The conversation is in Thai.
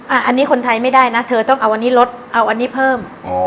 อันนี้คนไทยไม่ได้นะเธอต้องเอาอันนี้ลดเอาอันนี้เพิ่ม